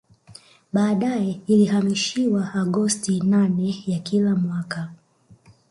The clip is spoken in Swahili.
Baadae ilihamishiwa Agosti nane ya kila mwaka